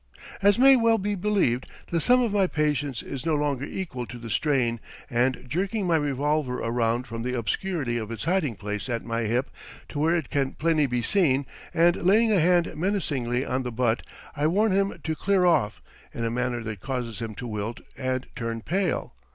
As may well be believed, the sum of my patience is no longer equal to the strain, and jerking my revolver around from the obscurity of its hiding place at my hip to where it can plainly be seen, and laying a hand menacingly on the butt, I warn him to clear off, in a manner that causes him to wilt and turn pale.